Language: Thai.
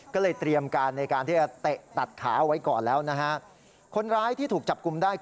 ก็เลยเตรียมการที่จะเตะตัดขาไว้ก่อนนะฮะ